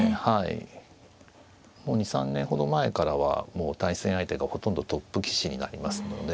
もう２３年ほど前からはもう対戦相手がほとんどトップ棋士になりますので。